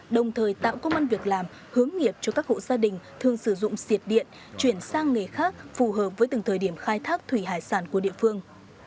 đồng thời tạo công an việc làm hướng nghiệp cho các hộ gia đình thường sử dụng siệt điện chuyển sang nghề khác phù hợp với từng thời điểm khai thác thủy hải sản của địa phương